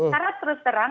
karena terus terang